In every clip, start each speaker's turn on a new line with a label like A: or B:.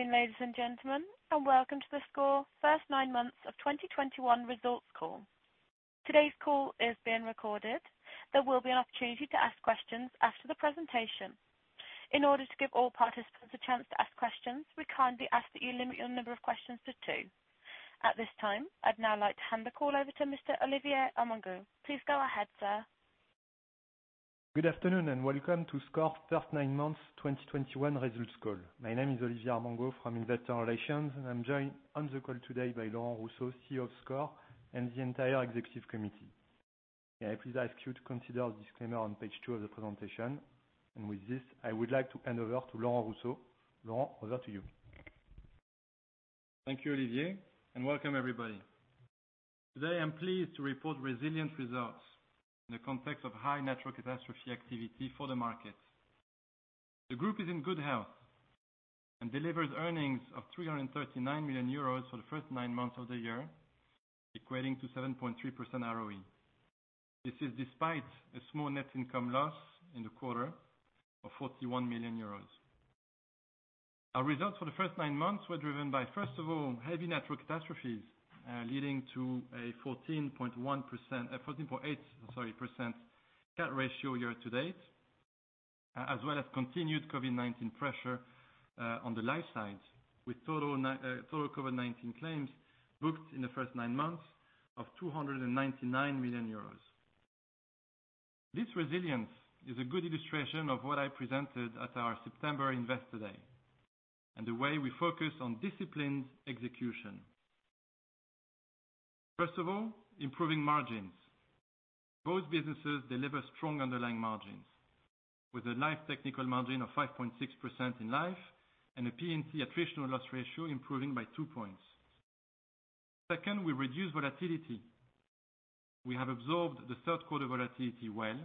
A: Good afternoon, ladies and gentlemen, and welcome to the SCOR first nine months of 2021 results call. Today's call is being recorded. There will be an opportunity to ask questions after the presentation. In order to give all participants a chance to ask questions, we kindly ask that you limit your number of questions to two. At this time, I'd now like to hand the call over to Mr. Olivier Armengaud. Please go ahead, sir.
B: Good afternoon and welcome to SCOR first nine months 2021 results call. My name is Olivier Armengaud from Investor Relations, and I'm joined on the call today by Laurent Rousseau, CEO of SCOR, and the entire executive committee. May I please ask you to consider the disclaimer on page two of the presentation. With this, I would like to hand over to Laurent Rousseau. Laurent, over to you.
C: Thank you, Olivier, and welcome everybody. Today I'm pleased to report resilient results in the context of high natural catastrophe activity for the market. The group is in good health and delivered earnings of 339 million euros for the first nine months of the year, equating to 7.3% ROE. This is despite a small net income loss in the quarter of 41 million euros. Our results for the first nine months were driven by, first of all, heavy natural catastrophes leading to a 14.8% CAT ratio year to date, as well as continued COVID-19 pressure on the life side, with total COVID-19 claims booked in the first nine months of 299 million euros. This resilience is a good illustration of what I presented at our September Investor Day, and the way we focus on disciplined execution. First of all, improving margins. Both businesses deliver strong underlying margins with a life technical margin of 5.6% in life and a P&C attritional loss ratio improving by two points. Second, we reduce volatility. We have absorbed the third quarter volatility well,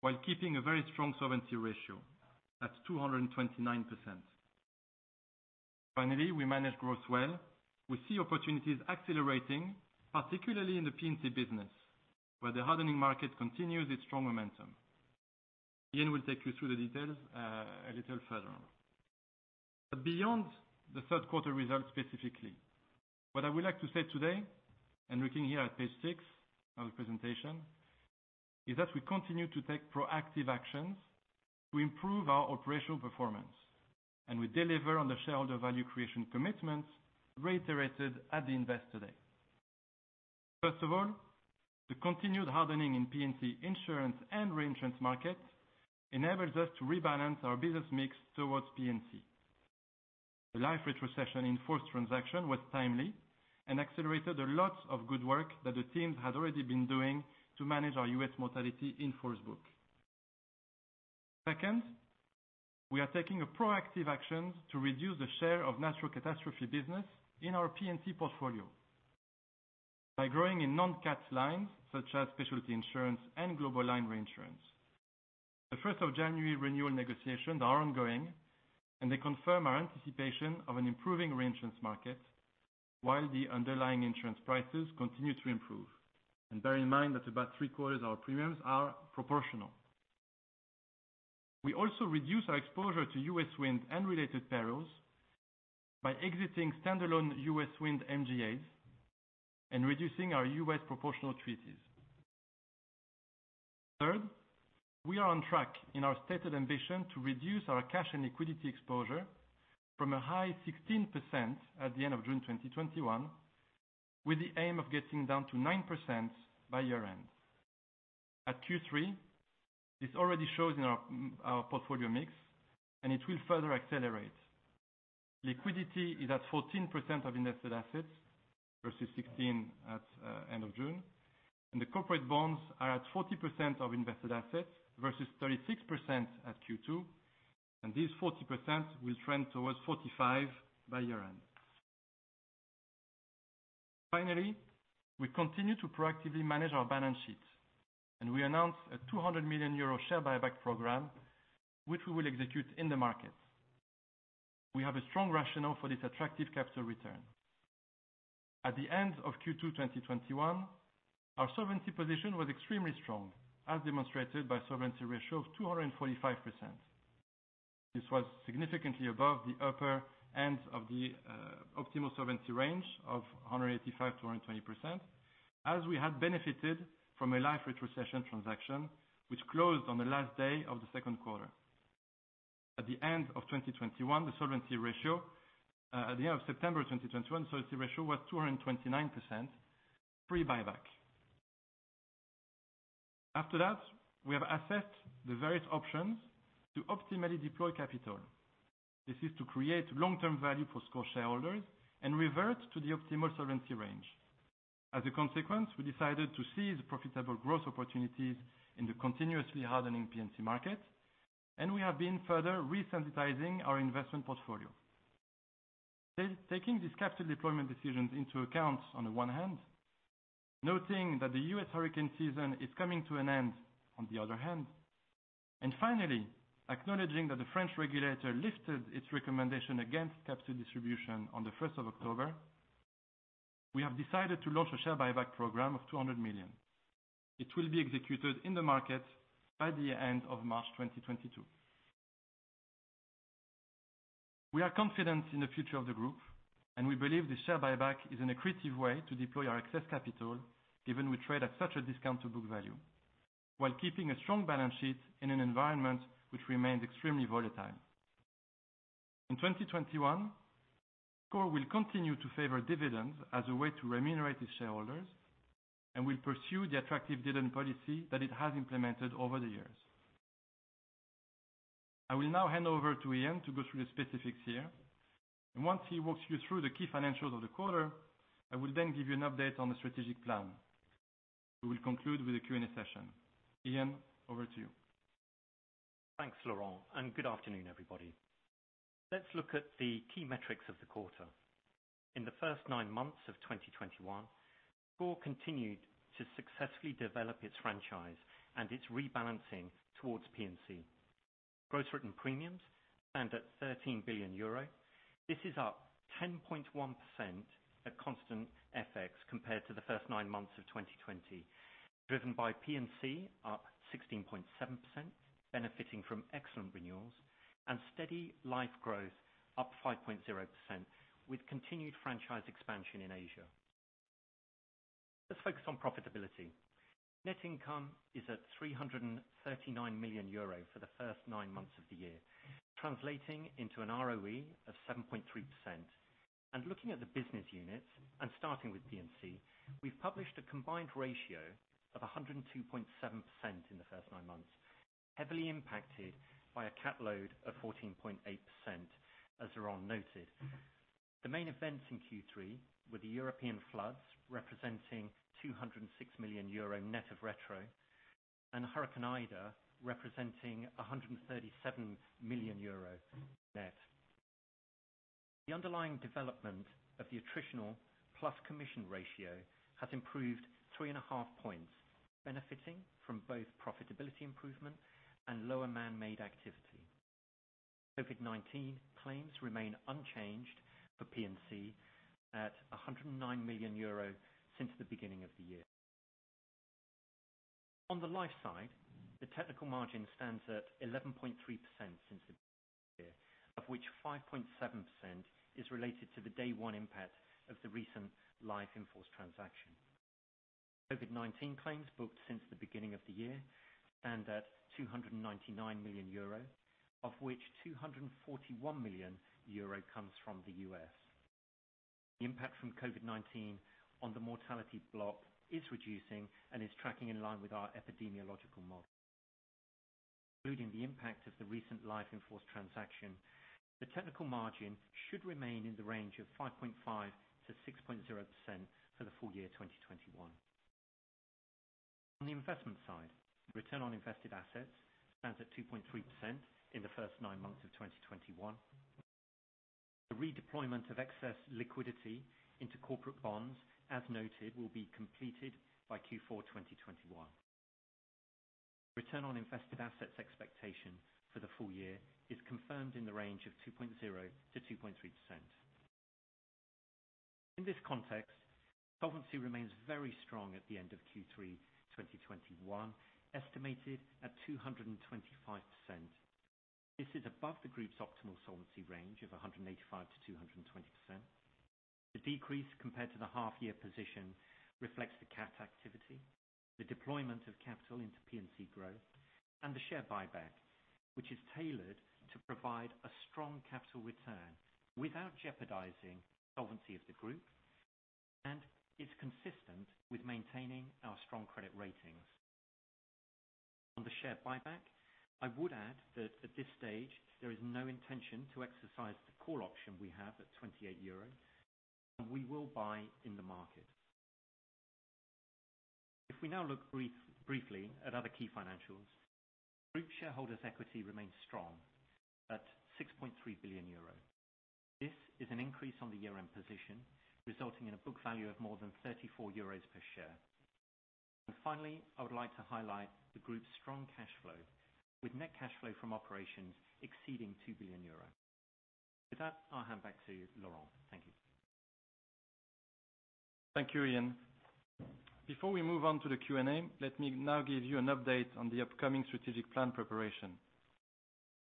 C: while keeping a very strong solvency ratio at 229%. Finally, we manage growth well. We see opportunities accelerating, particularly in the P&C business, where the hardening market continues its strong momentum. Ian will take you through the details, a little further on. Beyond the third quarter results specifically, what I would like to say today, and looking here at page six of the presentation, is that we continue to take proactive actions to improve our operational performance, and we deliver on the shareholder value creation commitments reiterated at the Investor Day. First of all, the continued hardening in P&C insurance and reinsurance markets enables us to rebalance our business mix towards P&C. The life retrocession in-force transaction was timely and accelerated a lot of good work that the teams had already been doing to manage our U.S. mortality in-force book. Second, we are taking a proactive action to reduce the share of natural catastrophe business in our P&C portfolio by growing in non-CAT lines such as specialty insurance and Global Lines reinsurance. January 1 renewal negotiations are ongoing, and they confirm our anticipation of an improving reinsurance market while the underlying insurance prices continue to improve. Bear in mind that about 3/4 of our premiums are proportional. We also reduce our exposure to U.S. wind and related perils by exiting standalone U.S. wind MGAs and reducing our U.S. proportional treaties. Third, we are on track in our stated ambition to reduce our cash and liquidity exposure from a high 16% at the end of June 2021, with the aim of getting down to 9% by year-end. At Q3, this already shows in our portfolio mix, and it will further accelerate. Liquidity is at 14% of invested assets versus 16% at the end of June, and the corporate bonds are at 40% of invested assets versus 36% at Q2, and this 40% will trend towards 45% by year-end. Finally, we continue to proactively manage our balance sheet, and we announce a 200 million euro share buyback program, which we will execute in the market. We have a strong rationale for this attractive capital return. At the end of Q2 2021, our solvency position was extremely strong, as demonstrated by solvency ratio of 245%. This was significantly above the upper end of the optimal solvency range of 185%-220%, as we had benefited from a life retrocession transaction which closed on the last day of the second quarter. At the end of 2021, the solvency ratio at the end of September 2021, solvency ratio was 229% pre-buyback. After that, we have assessed the various options to optimally deploy capital. This is to create long-term value for SCOR shareholders and revert to the optimal solvency range. As a consequence, we decided to seize profitable growth opportunities in the continuously hardening P&C market, and we have been further re-sensitizing our investment portfolio. Taking these capital deployment decisions into account on the one hand, noting that the U.S. hurricane season is coming to an end on the other hand, and finally, acknowledging that the French regulator lifted its recommendation against capital distribution on the 1st of October. We have decided to launch a share buyback program of 200 million. It will be executed in the market by the end of March 2022. We are confident in the future of the group, and we believe the share buyback is an accretive way to deploy our excess capital, given we trade at such a discount to book value, while keeping a strong balance sheet in an environment which remains extremely volatile. In 2021, SCOR will continue to favor dividends as a way to remunerate its shareholders, and will pursue the attractive dividend policy that it has implemented over the years. I will now hand over to Ian to go through the specifics here, and once he walks you through the key financials of the quarter, I will then give you an update on the strategic plan. We will conclude with a Q&A session. Ian, over to you.
D: Thanks, Laurent, and good afternoon, everybody. Let's look at the key metrics of the quarter. In the first nine months of 2021, SCOR continued to successfully develop its franchise and its rebalancing towards P&C. Gross written premiums stand at 13 billion euro. This is up 10.1% at constant FX compared to the first nine months of 2020, driven by P&C up 16.7%, benefiting from excellent renewals and steady life growth up 5.0% with continued franchise expansion in Asia. Let's focus on profitability. Net income is at 339 million euro for the first nine months of the year, translating into an ROE of 7.3%. Looking at the business units and starting with P&C, we've published a combined ratio of 102.7% in the first nine months, heavily impacted by a CAT load of 14.8%, as Laurent noted. The main events in Q3 were the European floods, representing 206 million euro net of retro, and Hurricane Ida, representing 137 million euro net. The underlying development of the attritional plus commission ratio has improved 3.5 points, benefiting from both profitability improvement and lower man-made activity. COVID-19 claims remain unchanged for P&C at 109 million euros since the beginning of the year. On the life side, the technical margin stands at 11.3% since the beginning of the year, of which 5.7% is related to the day one impact of the recent life in-force transaction. COVID-19 claims booked since the beginning of the year stand at 299 million euro, of which 241 million euro comes from the U.S. The impact from COVID-19 on the mortality block is reducing and is tracking in line with our epidemiological model. Including the impact of the recent life in-force transaction, the technical margin should remain in the range of 5.5%-6.0% for the full year 2021. On the investment side, return on invested assets stands at 2.3% in the first nine months of 2021. The redeployment of excess liquidity into corporate bonds, as noted, will be completed by Q4 2021. Return on invested assets expectation for the full year is confirmed in the range of 2.0%-2.3%. In this context, solvency remains very strong at the end of Q3 2021, estimated at 225%. This is above the group's optimal solvency range of 185%-220%. The decrease compared to the half-year position reflects the CAT activity, the deployment of capital into P&C growth, and the share buyback, which is tailored to provide a strong capital return without jeopardizing the solvency of the group, and is consistent with maintaining our strong credit ratings. On the share buyback, I would add that at this stage, there is no intention to exercise the call option we have at 28 euro, and we will buy in the market. If we now look briefly at other key financials, group shareholders' equity remains strong at 6.3 billion euro. This is an increase on the year-end position, resulting in a book value of more than 34 euros per share. Finally, I would like to highlight the group's strong cash flow, with net cash flow from operations exceeding 2 billion euro. With that, I'll hand back to you, Laurent. Thank you.
C: Thank you, Ian. Before we move on to the Q&A, let me now give you an update on the upcoming strategic plan preparation.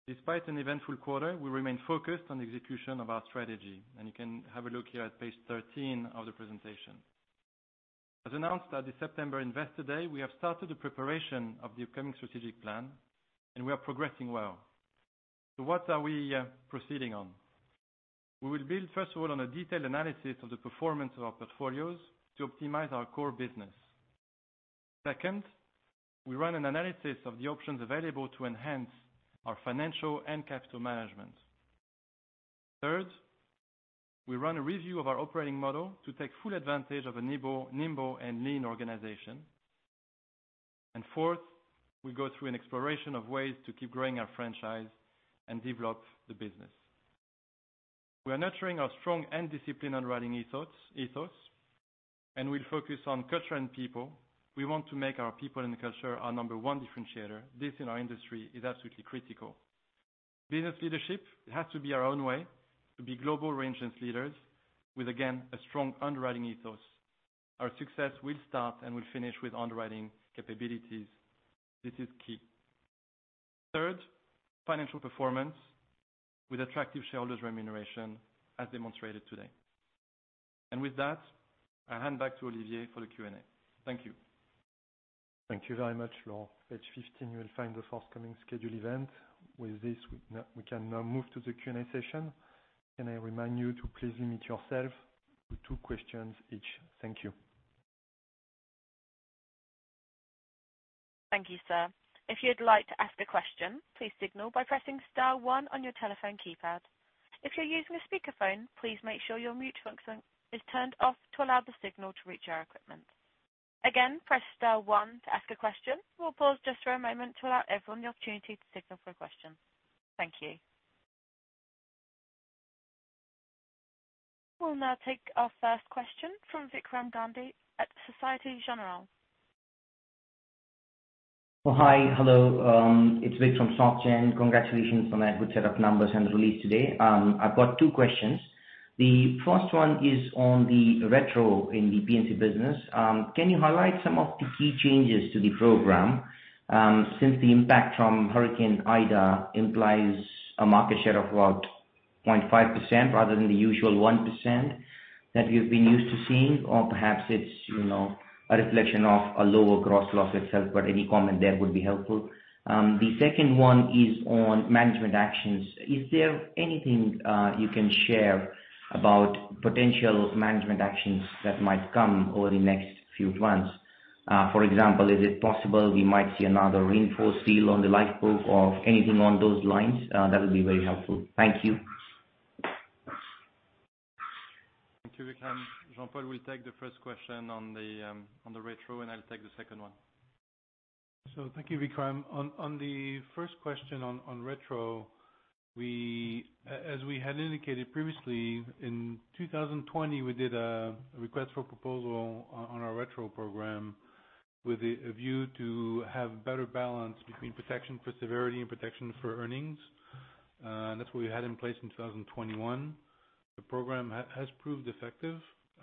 C: Despite an eventful quarter, we remain focused on execution of our strategy, and you can have a look here at page 13 of the presentation. As announced at the September Investor Day, we have started the preparation of the upcoming strategic plan, and we are progressing well. What are we proceeding on? We will build, first of all, on a detailed analysis of the performance of our portfolios to optimize our core business. Second, we run an analysis of the options available to enhance our financial and capital management. Third, we run a review of our operating model to take full advantage of a nimble and lean organization. Fourth, we go through an exploration of ways to keep growing our franchise and develop the business. We are nurturing our strong and disciplined underwriting ethos, and we'll focus on culture and people. We want to make our people and culture our number one differentiator. This in our industry is absolutely critical. Business leadership has to be our own way to be global reinsurance leaders with, again, a strong underwriting ethos. Our success will start and will finish with underwriting capabilities. This is key. Third, financial performance with attractive shareholders remuneration as demonstrated today. With that, I hand back to Olivier for the Q&A. Thank you.
B: Thank you very much, Laurent. Page 15, you will find the forthcoming schedule event. With this, we can now move to the Q&A session. Can I remind you to please limit yourself to two questions each? Thank you.
A: Thank you, sir. If you'd like to ask a question, please signal by pressing star one on your telephone keypad. If you're using a speakerphone, please make sure your mute function is turned off to allow the signal to reach our equipment. Again, press star one to ask a question. We'll pause just for a moment to allow everyone the opportunity to signal for a question. Thank you. We'll now take our first question from Vikram Gandhi at Société Générale.
E: It's Vik from Soc Gen. Congratulations on that good set of numbers and the release today. I've got 2 questions. The first one is on the retro in the P&C business. Can you highlight some of the key changes to the program, since the impact from Hurricane Ida implies a market share of about 0.5% rather than the usual 1% that we've been used to seeing, or perhaps it's, you know, a reflection of a lower gross loss itself, but any comment there would be helpful. The second one is on management actions. Is there anything you can share about potential management actions that might come over the next few months? For example, is it possible we might see another reinforced deal on the Life book or anything on those lines? That would be very helpful. Thank you.
C: Thank you, Vikram. Jean-Paul will take the first question on the retro, and I'll take the second one.
F: Thank you, Vikram. On the first question on retro, as we had indicated previously, in 2020, we did a request for proposal on our retro program with a view to have better balance between protection for severity and protection for earnings. That's what we had in place in 2021. The program has proved effective.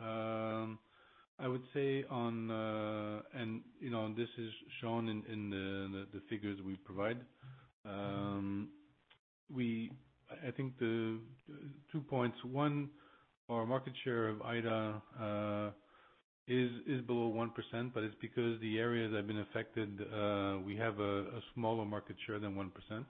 F: I would say, and you know, this is shown in the figures we provide. I think the two points, one, our market share of Ida is below 1%, but it's because the areas that have been affected, we have a smaller market share than 1%.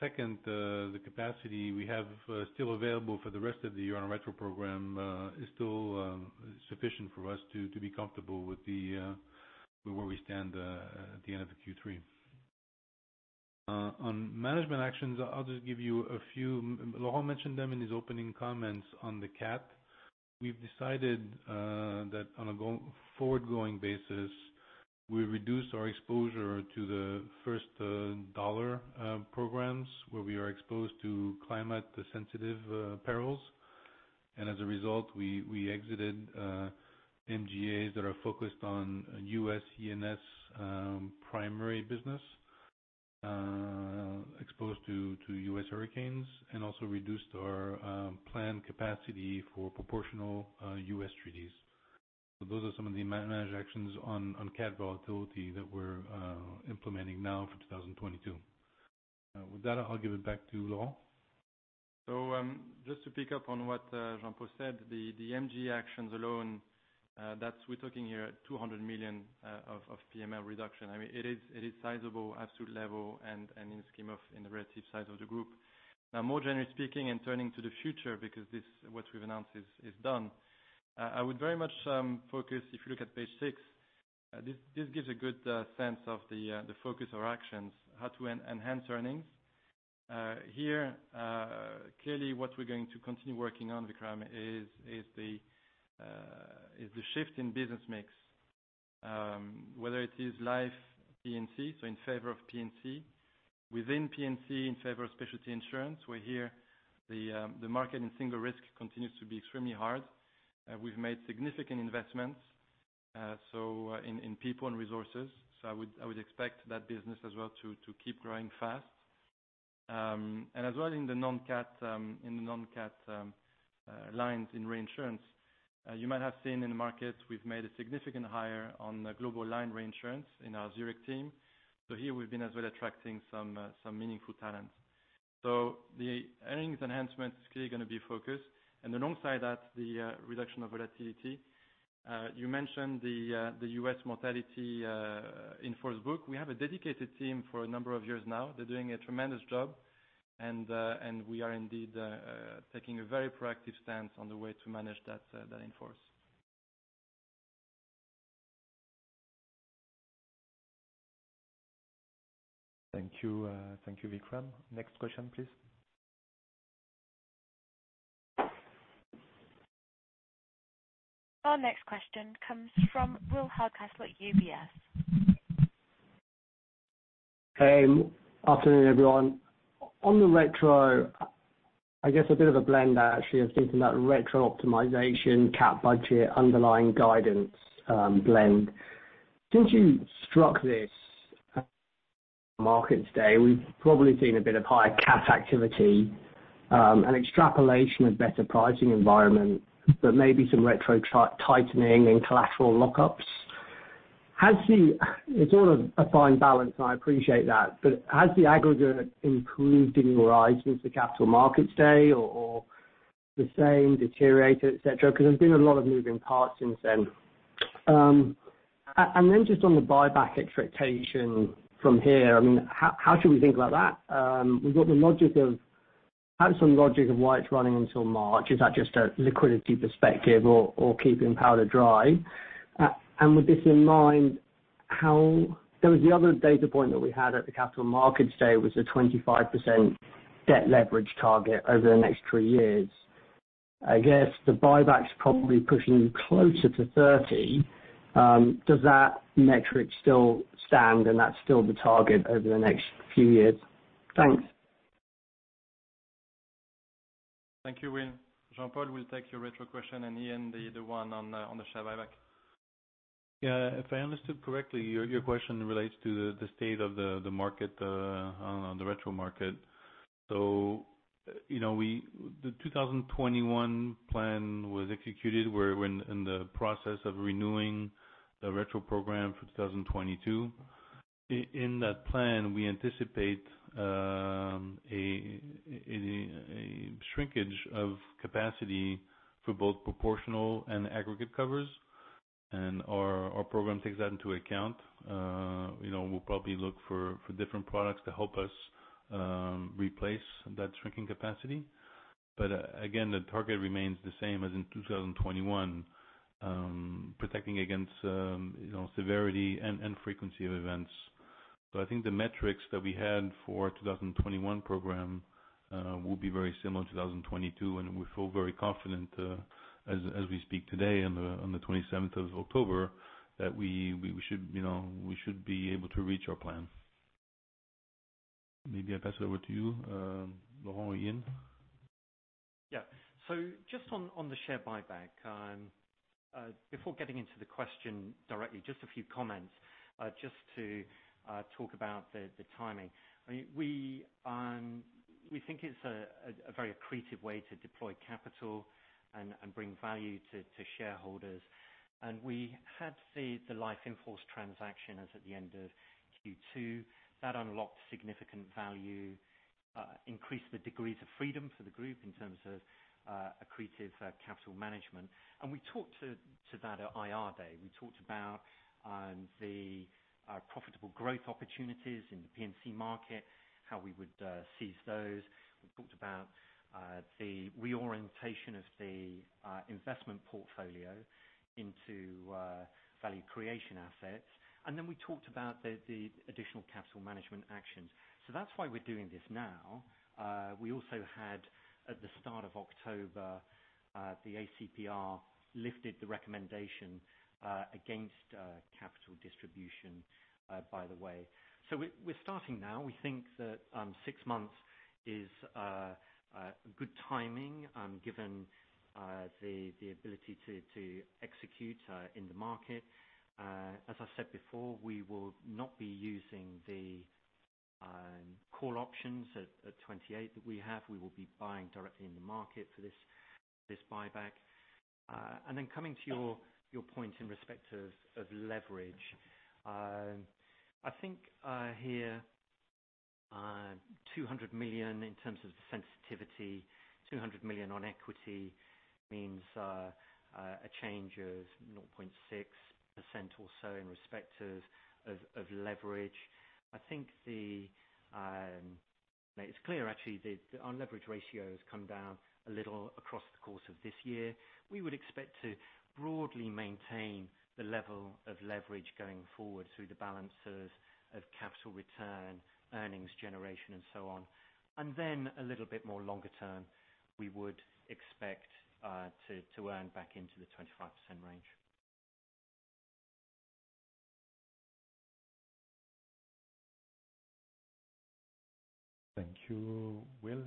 F: Second, the capacity we have still available for the rest of the year on our retro program is still sufficient for us to be comfortable with where we stand at the end of the Q3. On management actions, I'll just give you a few. Laurent mentioned them in his opening comments on the CAT. We've decided that on a go-forward basis, we reduce our exposure to the first-dollar programs where we are exposed to climate sensitive perils. As a result, we exited MGAs that are focused on U.S. E&S primary business exposed to U.S. hurricanes, and also reduced our planned capacity for proportional U.S. treaties. Those are some of the management actions on cat volatility that we're implementing now for 2022. With that, I'll give it back to Laurent.
C: Just to pick up on what Jean-Paul said, the MGA actions alone, that's what we're talking here at 200 million of PML reduction. I mean, it is sizable absolute level and in the scheme of the relative size of the group. Now, more generally speaking and turning to the future because what we've announced is done. I would very much focus, if you look at page six, this gives a good sense of the focus or actions, how to enhance earnings. Here, clearly what we're going to continue working on, Vikram, is the shift in business mix, whether it is life P&C, so in favor of P&C. Within P&C, in favor of specialty insurance. The market in single risk continues to be extremely hard. We've made significant investments, so in people and resources. I would expect that business as well to keep growing fast. And as well in the non-CAT lines in reinsurance. You might have seen in the market, we've made a significant hire on the Global Lines reinsurance in our Zurich team. So here we've been as well attracting some meaningful talent. The earnings enhancement is clearly gonna be focused. Alongside that, reduction of volatility. You mentioned the U.S. mortality in-force book. We have a dedicated team for a number of years now. They're doing a tremendous job. We are indeed taking a very proactive stance on the way to manage that in-force. Thank you. Thank you, Vikram. Next question, please.
A: Our next question comes from Will Hardcastle at UBS.
G: Hey. Afternoon, everyone. On the retro, I guess a bit of a blend actually has been from that retro optimization CAT budget underlying guidance, blend. Since the start of this market today, we've probably seen a bit of higher CAT activity, an extrapolation of better pricing environment, but maybe some retro tightening and collateral lockups. It's all a fine balance, I appreciate that. Has the aggregate improved in your eyes since the Capital Markets Day or has it deteriorated, et cetera, because there's been a lot of moving parts since then. And then just on the buyback expectation from here, I mean, how should we think about that? We've got the logic of, perhaps some logic of why it's running until March. Is that just a liquidity perspective or keeping powder dry? And with this in mind, how. There was the other data point that we had at the Capital Markets Day: a 25% debt leverage target over the next three years. I guess the buyback's probably pushing closer to 30%. Does that metric still stand and that's still the target over the next few years? Thanks.
C: Thank you, Will. Jean-Paul will take your retro question, and Ian, the one on the share buyback.
F: Yeah. If I understood correctly, your question relates to the state of the market on the retro market. You know, the 2021 plan was executed. We're in the process of renewing the retro program for 2022. In that plan, we anticipate a shrinkage of capacity for both proportional and aggregate covers, and our program takes that into account. You know, we'll probably look for different products to help us replace that shrinking capacity. Again, the target remains the same as in 2021, protecting against you know, severity and frequency of events. I think the metrics that we had for our 2021 program will be very similar to 2022, and we feel very confident as we speak today on the 27th of October that we should, you know, be able to reach our plan. Maybe I pass it over to you, Laurent or Ian.
D: Yeah. Just on the share buyback, before getting into the question directly, just a few comments, just to talk about the timing. I mean, we think it's a very accretive way to deploy capital and bring value to shareholders. We had the Life in-force transaction as at the end of Q2. That unlocked significant value, increased the degrees of freedom for the group in terms of accretive capital management. We talked to that at IR Day. We talked about the profitable growth opportunities in the P&C market, how we would seize those. We talked about the reorientation of the investment portfolio into value creation assets. Then we talked about the additional capital management actions. That's why we're doing this now. We also had, at the start of October, the ACPR lifted the recommendation against capital distribution, by the way. We're starting now. We think that six months is good timing, given the ability to execute in the market. As I said before, we will not be using the call options at 28 that we have. We will be buying directly in the market for this buyback. Coming to your point in respect of leverage, I think here, 200 million in terms of the sensitivity, 200 million on equity means a change of 0.6% or so in respect of leverage. I think the... It's clear actually that our leverage ratio has come down a little across the course of this year. We would expect to broadly maintain the level of leverage going forward through the balance of capital return, earnings generation and so on. Then a little bit more longer term, we would expect to earn back into the 25% range.
C: Thank you, Will.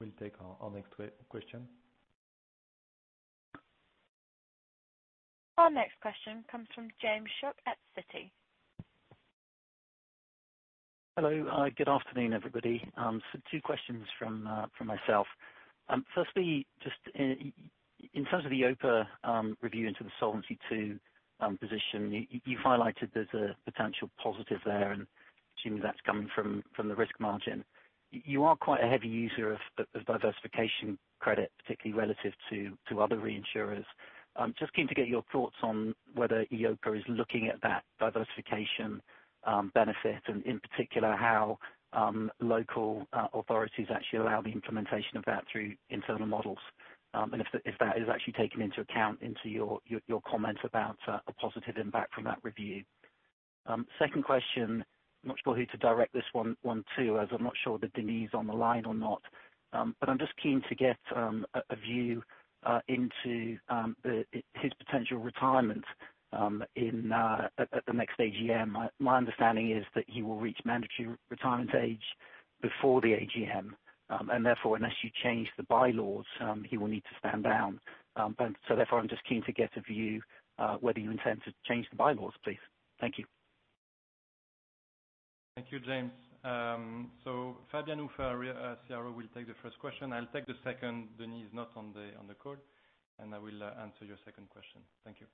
C: We'll take our next question.
A: Our next question comes from James Shuck at Citi.
H: Hello. Good afternoon, everybody. Two questions from myself. First, just in terms of the EIOPA review into the Solvency II position, you highlighted there's a potential positive there, and assuming that's coming from the risk margin. You are quite a heavy user of diversification credit, particularly relative to other reinsurers. I'm just keen to get your thoughts on whether EIOPA is looking at that diversification benefit, and in particular, how local authorities actually allow the implementation of that through internal models, and if that is actually taken into account in your comment about a positive impact from that review. Second question, I'm not sure who to direct this one to, as I'm not sure that Denis is on the line or not. I'm just keen to get a view into his potential retirement in at the next AGM. My understanding is that he will reach mandatory retirement age before the AGM, and therefore, unless you change the bylaws, he will need to stand down. Therefore, I'm just keen to get a view whether you intend to change the bylaws, please. Thank you.
C: Thank you, James. Fabian Uffer, our CRO, will take the first question. I'll take the second. Denis is not on the call, and I will answer your second question. Thank you.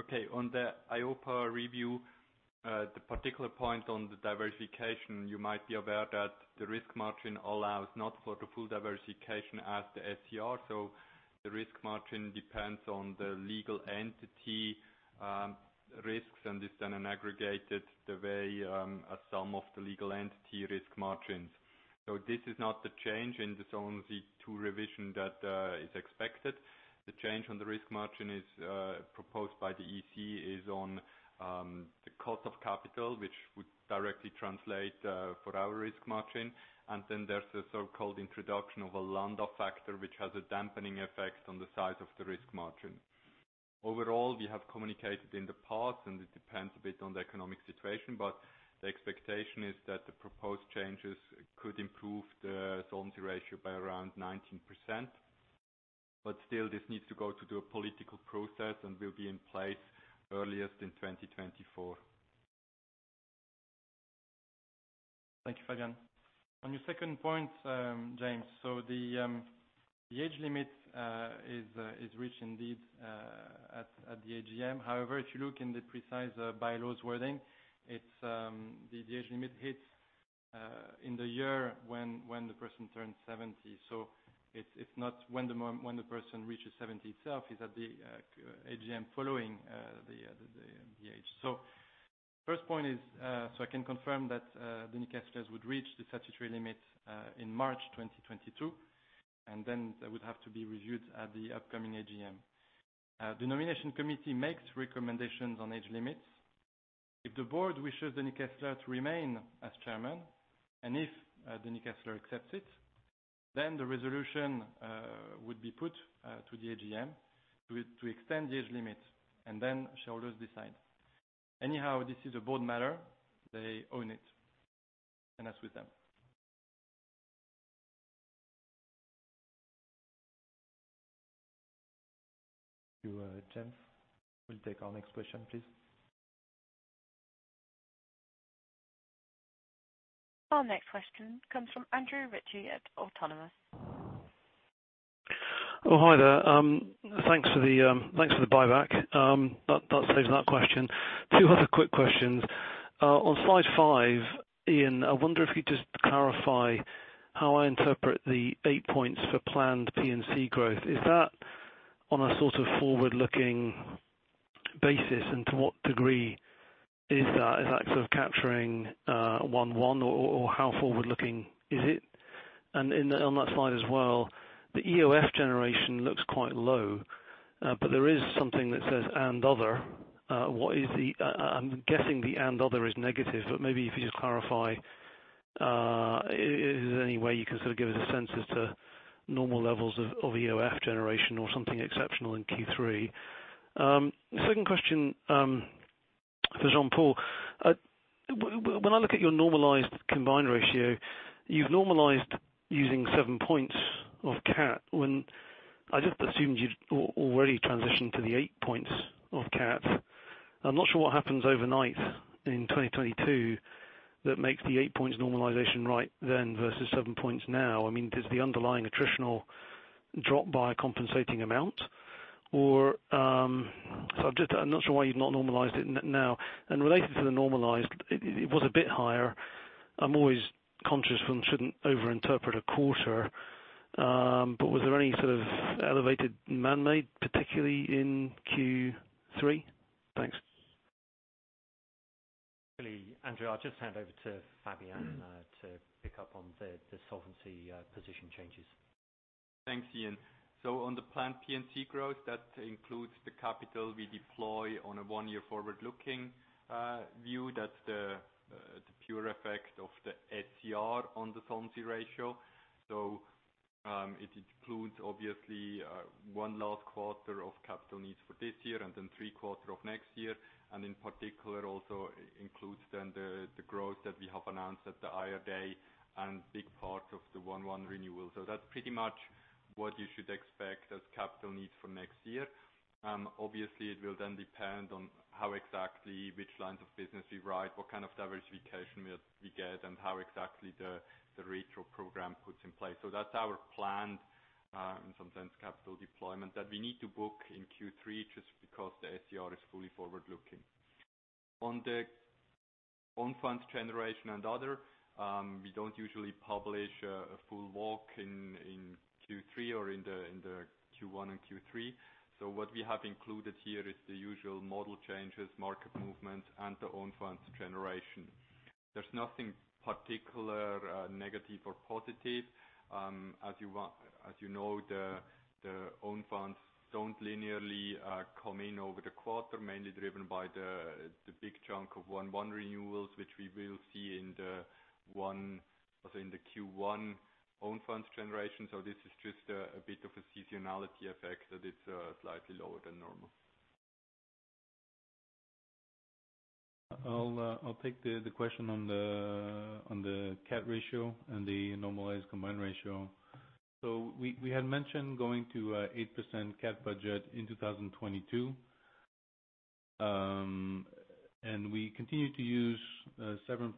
I: Okay. On the EIOPA review, the particular point on the diversification, you might be aware that the risk margin allows not for the full diversification as the SCR. The risk margin depends on the legal entity risks, and this is then aggregated as a sum of the legal entity risk margins. This is not the change in the Solvency II revision that is expected. The change to the risk margin proposed by the EC is on the cost of capital, which would directly translate to our risk margin. Then there's the so-called introduction of a Lambda factor, which has a dampening effect on the size of the risk margin. Overall, we have communicated in the past, and it depends a bit on the economic situation, but the expectation is that the proposed changes could improve the solvency ratio by around 19%. Still, this needs to go through a political process and will be in place earliest in 2024.
C: Thank you, Fabian. On your second point, James. The age limit is reached indeed at the AGM. However, if you look in the precise bylaws wording, it's the age limit hits in the year when the person turns 70. It's not when the person reaches 70 itself, it's at the AGM following the age. First point is, I can confirm that Denis Kessler would reach the statutory limit in March 2022, and then that would have to be reviewed at the upcoming AGM. The nomination committee makes recommendations on age limits. If the board wishes Denis Kessler to remain as chairman, and if Denis Kessler accepts it, then the resolution would be put to the AGM to extend the age limit, and then shareholders decide. Anyhow, this is a board matter. They own it, and that's with them. Thank you, James. We'll take our next question, please.
A: Our next question comes from Andrew Ritchie at Autonomous Research.
J: Oh, hi there. Thanks for the buyback. That saves that question. Two other quick questions. On slide five, Ian, I wonder if you just clarify how I interpret the eight points for planned P&C growth. Is that on a sort of forward-looking basis? To what degree is that? Is that sort of capturing one or how forward-looking is it? On that slide as well, the EOF generation looks quite low, but there is something that says and other. What is the and other? I'm guessing the and other is negative, but maybe if you just clarify, is there any way you can sort of give us a sense as to normal levels of EOF generation or something exceptional in Q3? Second question, for Jean-Paul. When I look at your normalized combined ratio, you've normalized using seven points of CAT, when I just assumed you'd already transitioned to the eight points of CAT. I'm not sure what happens overnight in 2022 that makes the eight points normalization right then versus seven points now. I mean, does the underlying attritional drop by a compensating amount? Or, so I'm just, I'm not sure why you've not normalized it now. Related to the normalized, it was a bit higher. I'm always conscious one shouldn't overinterpret a quarter. But was there any sort of elevated man-made, particularly in Q3? Thanks.
D: Really, Andrew, I'll just hand over to Fabian to pick up on the solvency position changes.
I: Thanks, Ian. On the planned P&C growth, that includes the capital we deploy on a one-year forward-looking view. That's the pure effect of the SCR on the solvency ratio. It includes obviously one last quarter of capital needs for this year and then three quarters of next year, and in particular, also includes then the growth that we have announced at the IR Day and big part of the 1/1 renewal. That's pretty much what you should expect as capital needs for next year. Obviously, it will then depend on how exactly which lines of business we write, what kind of diversification we get, and how exactly the retro program puts in place. That's our planned, in some sense, capital deployment that we need to book in Q3 just because the SCR is fully forward-looking. On the own funds generation and other, we don't usually publish a full walk in Q3 or in the Q1 and Q3. What we have included here is the usual model changes, market movement, and the own funds generation. There's nothing particular negative or positive. As you know, the own funds don't linearly come in over the quarter, mainly driven by the big chunk of 1/1 renewals, which we will see in the Q1 own funds generation. This is just a bit of a seasonality effect that it's slightly lower than normal.
F: I'll take the question on the CAT ratio and the normalized combined ratio. We had mentioned going to 8% CAT budget in 2022. We continue to use 7%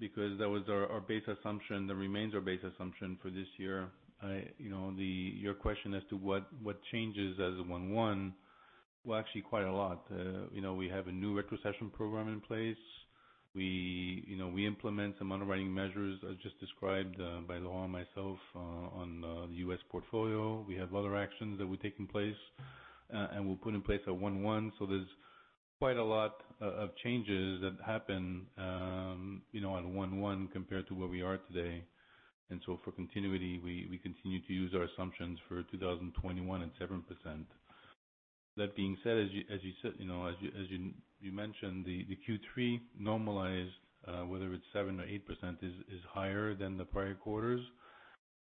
F: because that was our base assumption, that remains our base assumption for this year. You know, your question as to what changes as of 1/1, actually quite a lot. You know, we have a new retrocession program in place. You know, we implement some underwriting measures, as just described, by Laurent myself, on the U.S. portfolio. We have other actions that we take in place, and we'll put in place at 1/1. There's quite a lot of changes that happen, you know, at 1/1 compared to where we are today. For continuity, we continue to use our assumptions for 2021 at 7%. That being said, as you said, you know, as you mentioned, the Q3 normalized, whether it's 7% or 8% is higher than the prior quarters.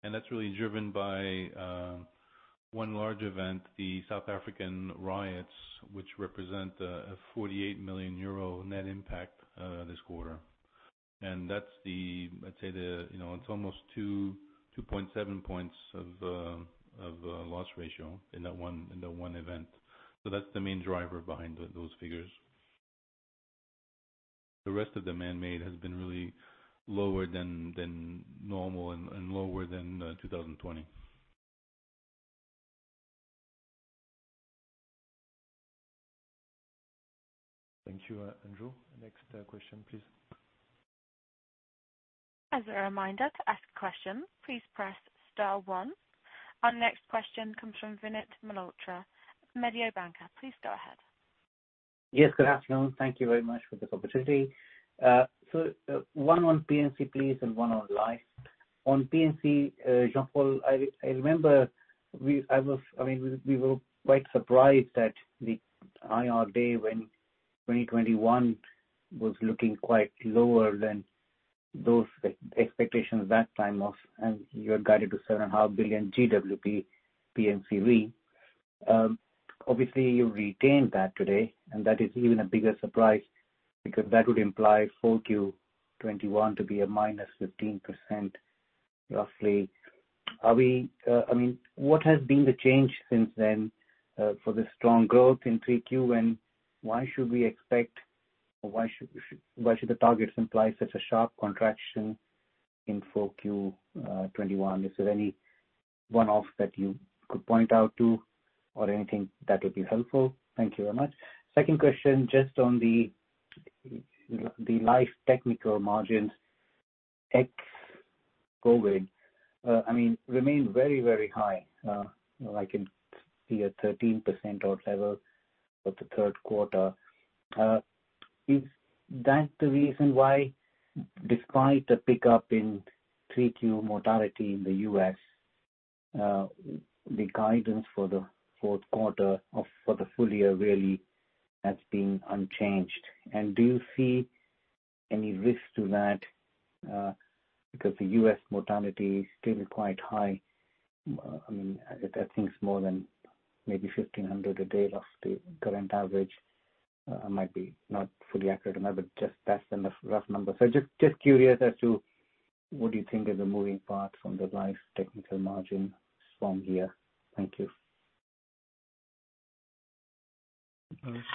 F: That's really driven by one large event, the South African riots, which represent a 48 million euro net impact this quarter. That's the, let's say, you know, it's almost 2.7 points of loss ratio in that one event. That's the main driver behind those figures. The rest of the man-made has been really lower than normal and lower than 2020.
C: Thank you, Andrew. Next question, please.
A: As a reminder to ask questions, please press star one. Our next question comes from Vinit Malhotra, Mediobanca. Please go ahead.
K: Yes, good afternoon. Thank you very much for the opportunity. So, one on P&C, please, and one on life. On P&C, Jean-Paul, I remember. I mean, we were quite surprised at the IR Day when 2021 was looking quite lower than those expectations that time, and you had guided to 7.5 billion GWP P&C Re. Obviously you've retained that today, and that is even a bigger surprise because that would imply full Q 2021 to be a -15% roughly. I mean, what has been the change since then for the strong growth in 3Q, and why should the targets imply such a sharp contraction in full Q 2021? Is there any one-off that you could point out to or anything that would be helpful? Thank you very much. Second question, just on the life technical margins, ex-COVID-19, I mean, remain very, very high. You know, I can see a 13% or whatever for the third quarter. Is that the reason why despite the pickup in 3Q mortality in the U.S., the guidance for the fourth quarter for the full year really has been unchanged? Do you see any risk to that, because the U.S. mortality is still quite high? I mean, I think it's more than maybe 1,500 a day of the current average. I might be not fully accurate, but just that's the rough number. Just curious as to what do you think is the moving part from the life technical margin strong year. Thank you.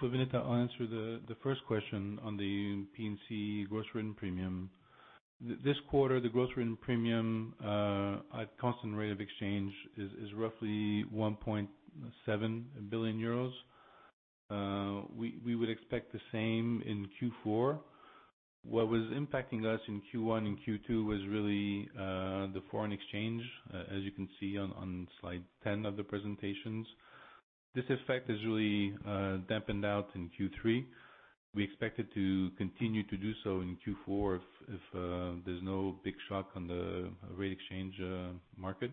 F: Vinit, I'll answer the first question on the P&C gross written premium. This quarter, the gross written premium at constant rate of exchange is roughly 1.7 billion euros. We would expect the same in Q4. What was impacting us in Q1 and Q2 was really the foreign exchange as you can see on slide 10 of the presentation. This effect has really dampened out in Q3. We expect it to continue to do so in Q4 if there's no big shock on the exchange rate market.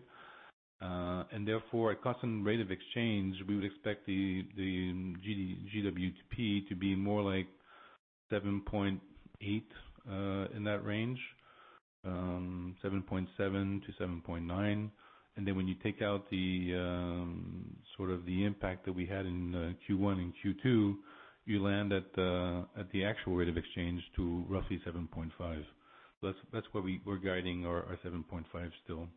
F: Therefore, at constant rate of exchange, we would expect the GWP to be more like 7.8 billion in that range, 7.7 billion-7.9 billion. When you take out the sort of the impact that we had in Q1 and Q2, you land at the actual rate of exchange to roughly 7.5 billion. That's why we're guiding our 7.5 billion still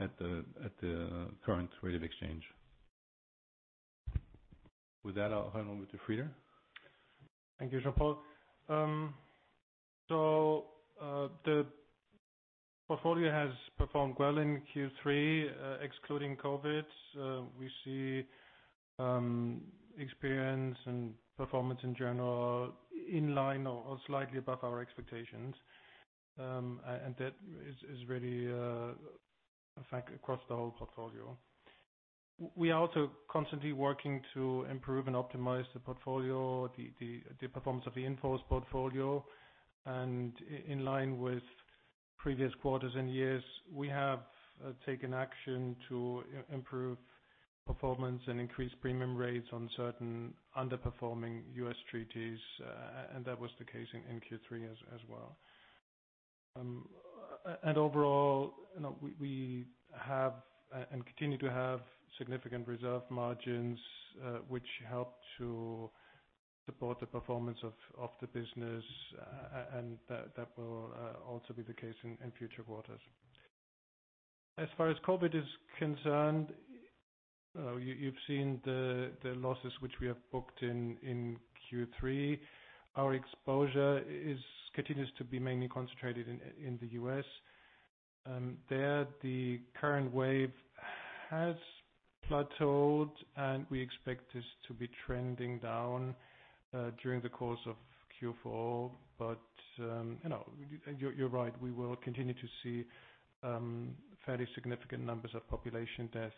F: at the current rate of exchange. With that, I'll hand over to Frieder.
L: Thank you, Jean-Paul. The portfolio has performed well in Q3, excluding COVID. We see experience and performance in general in line or slightly above our expectations. That is really a fact across the whole portfolio. We are also constantly working to improve and optimize the portfolio, the performance of the in-force portfolio. In line with previous quarters and years, we have taken action to improve performance and increase premium rates on certain underperforming U.S. treaties, and that was the case in Q3 as well. Overall, you know, we have and continue to have significant reserve margins, which help to support the performance of the business. That will also be the case in future quarters. As far as COVID is concerned, you've seen the losses which we have booked in Q3. Our exposure continues to be mainly concentrated in the U.S. The current wave has plateaued, and we expect this to be trending down during the course of Q4. You know, you're right, we will continue to see fairly significant numbers of population deaths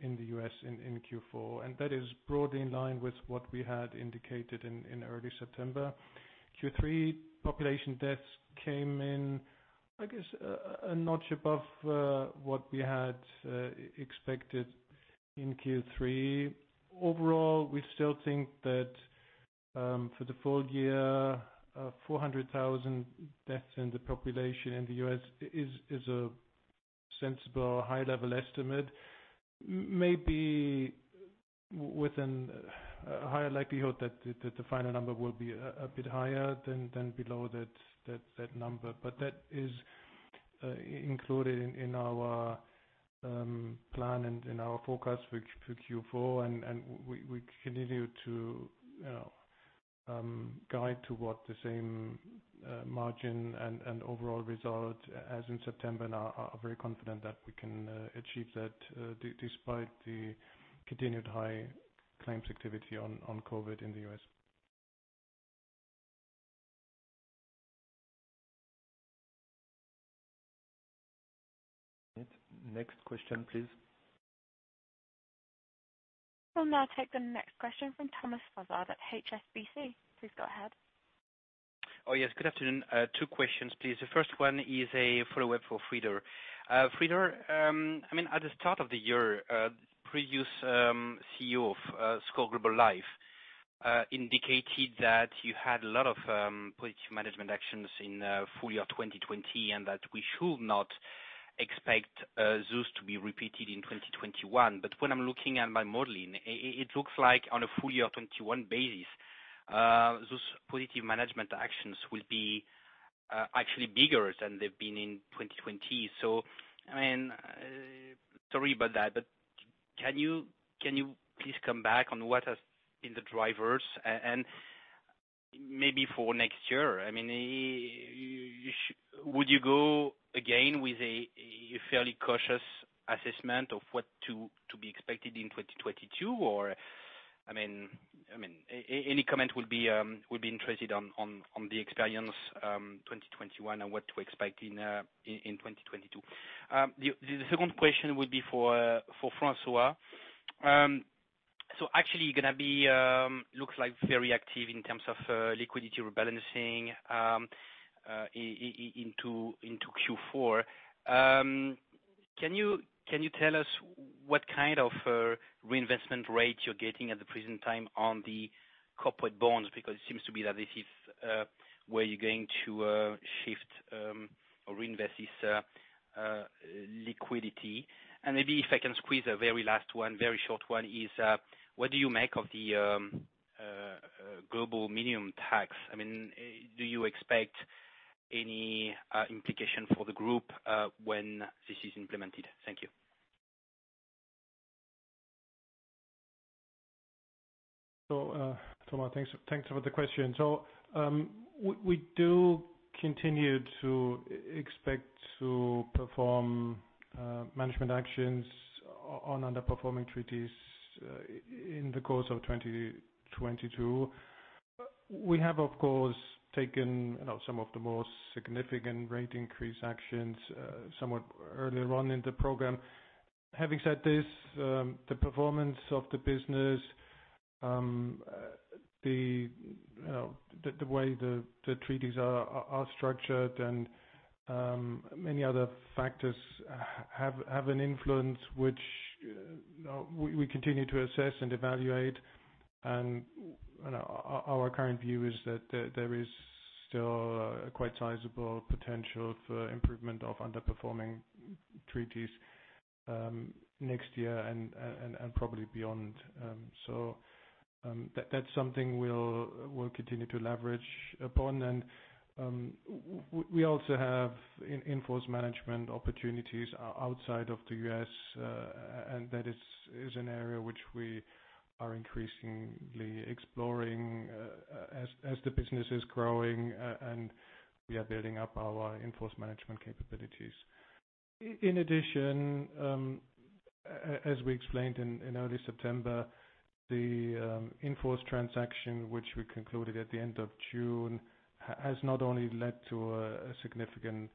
L: in the U.S. in Q4. That is broadly in line with what we had indicated in early September. Q3 population deaths came in, I guess, a notch above what we had expected in Q3. Overall, we still think that for the full year, 400,000 deaths in the population in the U.S. is a sensible high-level estimate. Maybe within a higher likelihood that the final number will be a bit higher than below that number. That is included in our plan and in our forecast for Q4. We continue to, you know, guide toward the same margin and overall result as in September, and are very confident that we can achieve that despite the continued high claims activity on COVID in the U.S.
C: Next question, please.
A: We'll now take the next question from Thomas Fossard at HSBC. Please go ahead.
M: Oh, yes. Good afternoon. Two questions, please. The first one is a follow-up for Frieder. Frieder, I mean, at the start of the year, previous CEO of SCOR Global Life indicated that you had a lot of policy management actions in full year 2020, and that we should not expect those to be repeated in 2021. But when I'm looking at my modeling, it looks like on a full year 2021 basis, those policy management actions will be actually bigger than they've been in 2020. So, I mean, sorry about that, but can you please come back on what have been the drivers? And maybe for next year. I mean, you would go again with a fairly cautious assessment of what to be expected in 2022? Any comment. I would be interested in the experience in 2021 and what to expect in 2022. The second question would be for François. So actually, it looks like you're going to be very active in terms of liquidity rebalancing into Q4. Can you tell us what kind of reinvestment rate you're getting at the present time on the corporate bonds? Because it seems that this is where you're going to shift or reinvest this liquidity. Maybe if I can squeeze a very last one, very short one, what do you make of the global minimum tax? I mean, do you expect any implication for the group when this is implemented? Thank you.
L: Thomas, thanks for the question. We do continue to expect to perform management actions on underperforming treaties in the course of 2022. We have, of course, taken, you know, some of the more significant rate increase actions, somewhat earlier on in the program. Having said this, the performance of the business, you know, the way the treaties are structured and many other factors have an influence which we continue to assess and evaluate. You know, our current view is that there is still a quite sizable potential for improvement of underperforming treaties next year and probably beyond. That's something we'll continue to leverage upon. We also have in-force management opportunities outside of the U.S., and that is an area which we are increasingly exploring as the business is growing, and we are building up our in-force management capabilities. In addition, as we explained in early September, the in-force transaction, which we concluded at the end of June, has not only led to a significant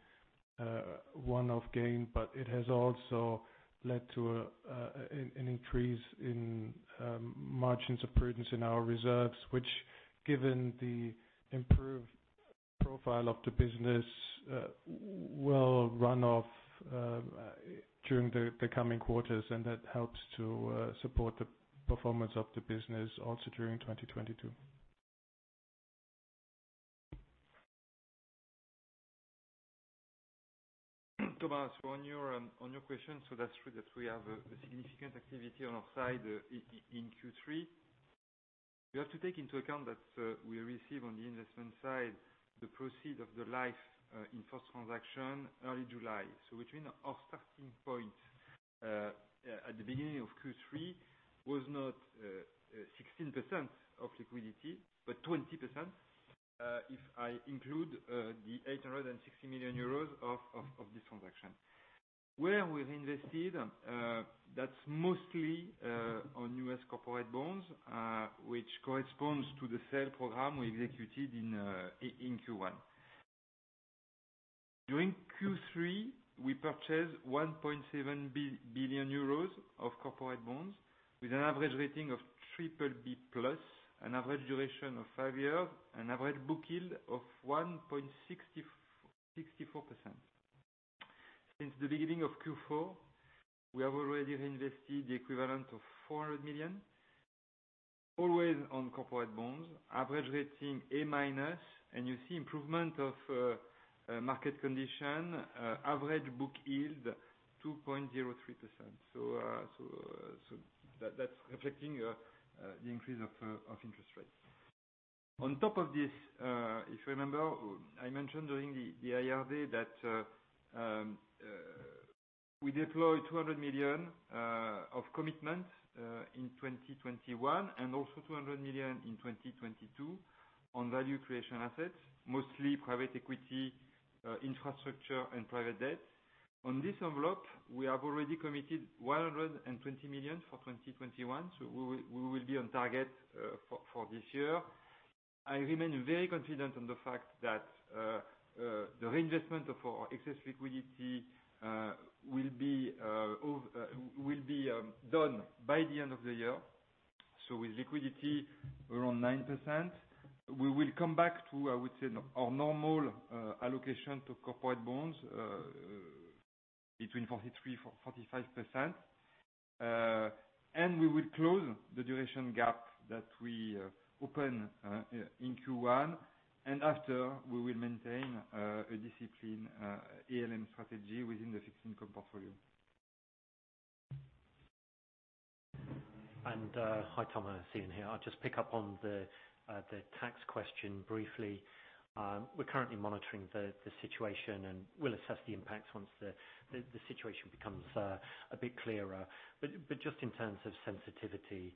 L: one-off gain, but it has also led to an increase in margins of prudence in our reserves, which given the improved profile of the business, Will run off during the coming quarters, and that helps to support the performance of the business also during 2022.
N: Thomas, on your question, that's true that we have a significant activity on our side in Q3. We have to take into account that we receive on the investment side the proceeds of the Life in-force transaction early July. Our starting point at the beginning of Q3 was not 16% of liquidity but 20%, if I include the 860 million euros of this transaction. Where we've invested, that's mostly on U.S. corporate bonds, which corresponds to the sale program we executed in Q1. During Q3, we purchased 1.7 billion euros of corporate bonds with an average rating of BBB+, an average duration of five years, an average book yield of 1.64%. Since the beginning of Q4, we have already reinvested the equivalent of 400 million, always on corporate bonds, average rating A-, and you see improvement in the market conditions, average book yield 2.03%. That's reflecting the increase in interest rates. On top of this, if you remember, I mentioned during the IR Day that we deployed 200 million of commitment in 2021 and also 200 million in 2022 on value creation assets, mostly private equity, infrastructure and private debt. On this envelope, we have already committed 120 million for 2021, so we will be on target for this year. I remain very confident on the fact that the reinvestment of our excess liquidity will be done by the end of the year. With liquidity around 9%, we will come back to, I would say, our normal allocation to corporate bonds between 43%-45%, and we will close the duration gap that we opened in Q1, and after we will maintain a disciplined ALM strategy within the fixed income portfolio.
D: Hi, Thomas, Ian here. I'll just pick up on the tax question briefly. We're currently monitoring the situation and we'll assess the impacts once the situation becomes a bit clearer. Just in terms of sensitivity,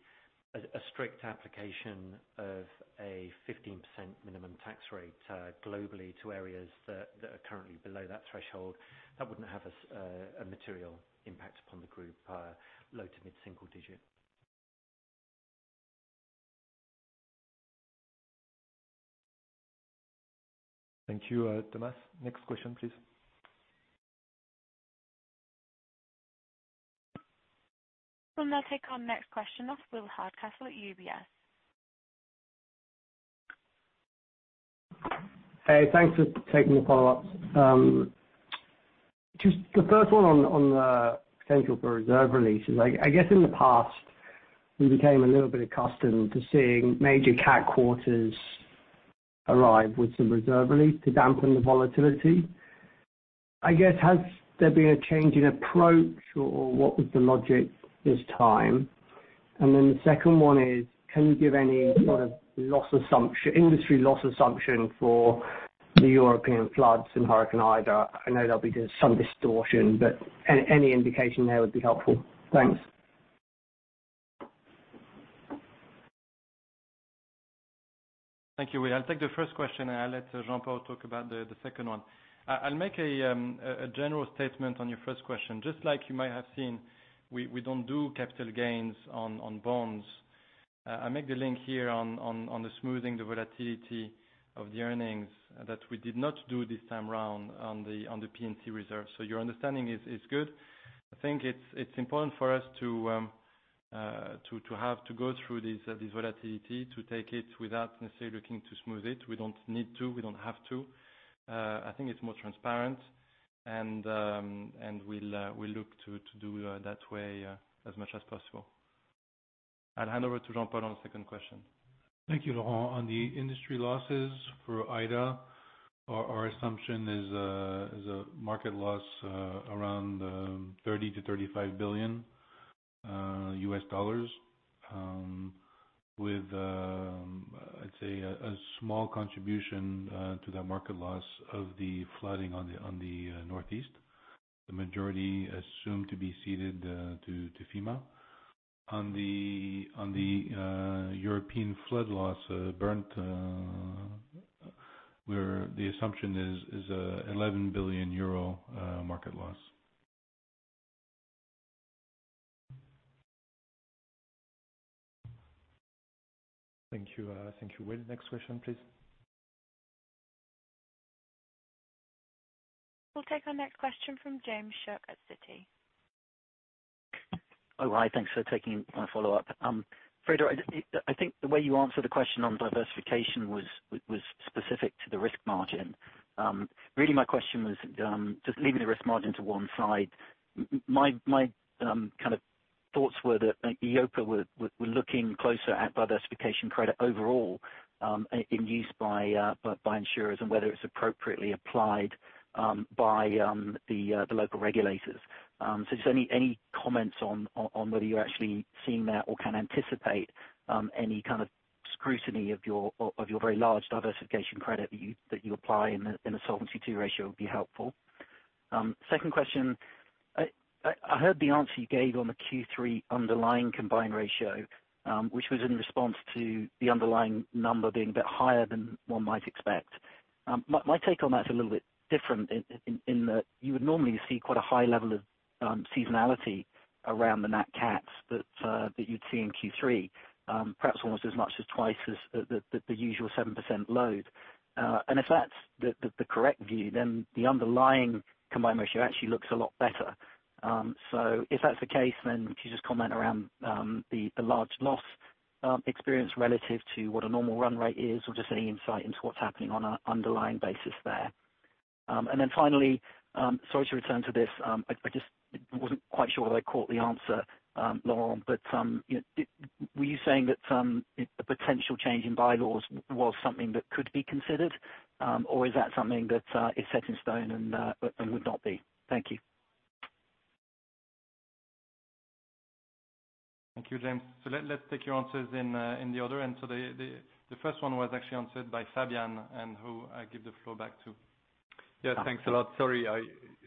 D: a strict application of a 15% minimum tax rate globally to areas that are currently below that threshold, that wouldn't have a material impact upon the group, low- to mid-single-digit.
C: Thank you, Thomas. Next question, please.
A: We'll now take our next question of Will Hardcastle at UBS.
G: Hey, thanks for taking the follow-up. Just the first one on the potential for reserve releases. I guess in the past, we became a little bit accustomed to seeing major CAT quarters arrive with some reserve release to dampen the volatility. I guess, has there been a change in approach, or what was the logic this time? Then the second one is, can you give any sort of loss industry loss assumption for the European floods and Hurricane Ida? I know there'll be some distortion, but any indication there would be helpful. Thanks.
C: Thank you. Will, I'll take the first question, and I'll let Jean-Paul talk about the second one. I'll make a general statement on your first question. Just like you might have seen, we don't do capital gains on bonds. I make the link here on the smoothing of the volatility of the earnings that we did not do this time round on the P&C reserve. So your understanding is good. I think it's important for us to have to go through this volatility, to take it without necessarily looking to smooth it. We don't need to. We don't have to. I think it's more transparent, and we'll look to do that way as much as possible. I'll hand over to Jean-Paul on the second question.
F: Thank you, Laurent. On the industry losses for Ida, our assumption is a market loss around $30 billion-$35 billion, with I'd say a small contribution to that market loss of the flooding on the Northeast. The majority assumed to be ceded to FEMA. On the European flood loss, Bernd, where the assumption is 11 billion euro market loss.
C: Thank you. Thank you, Will. Next question, please.
A: We'll take our next question from James Shuck at Citi.
H: Oh, hi. Thanks for taking my follow-up. Frieder, I think the way you answered the question on diversification was specific to the risk margin. Really my question was just leaving the risk margin to one side, my kind of thoughts were that EIOPA were looking closer at diversification credit overall in use by insurers and whether it's appropriately applied by the local regulators. Just any comments on whether you're actually seeing that or can anticipate any kind of scrutiny of your very large diversification credit that you apply in the Solvency II ratio would be helpful. Second question. I heard the answer you gave on the Q3 underlying combined ratio, which was in response to the underlying number being a bit higher than one might expect. My take on that is a little bit different in that you would normally see quite a high level of seasonality around the nat cats that you'd see in Q3, perhaps almost as much as twice as the usual 7% load. If that's the correct view, then the underlying combined ratio actually looks a lot better. If that's the case, then could you just comment around the large loss experience relative to what a normal run rate is, or just any insight into what's happening on an underlying basis there. Finally, sorry to return to this, I just wasn't quite sure that I caught the answer, Laurent, but, you know, were you saying that a potential change in bylaws was something that could be considered, or is that something that is set in stone and would not be? Thank you.
C: Thank you, James. Let's take your answers in the other end. The first one was actually answered by Fabian, and who I give the floor back to.
I: Yeah. Thanks a lot. Sorry I